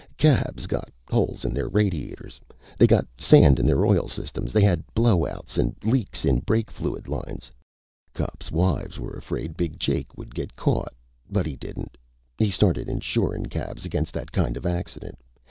Cabs got holes in their radiators. They got sand in their oil systems. They had blowouts an' leaks in brake fluid lines. Cops' wives were afraid Big Jake would get caught. But he didn't. He started insurin' cabs against that kinda accident.